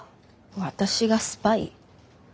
私がスパイ？